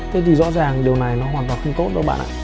thế thì rõ ràng điều này nó hoàn toàn không tốt đâu ạ